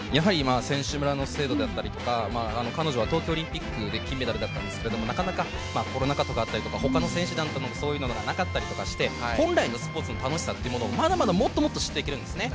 選手村の制度であったりとか、彼女は東京オリンピックで金メダルだったんですけれども、コロナ禍とかあったりとか、他の選手団とのそういうのもなかったりして本来のスポーツの楽しさっていうものをまだまだ知っていけるんですね。